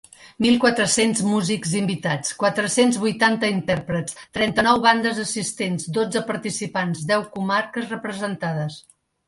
Mil quatre-cents músics invitats, quatre-cents vuitanta intèrprets, trenta-nou bandes assistents, dotze participants, deu comarques representades.